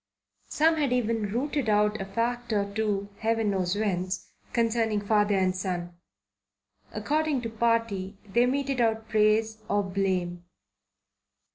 Some had even routed out a fact or two, Heaven knows whence, concerning father and son. According to party they meted out praise or blame.